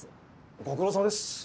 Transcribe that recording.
ご苦労さまです。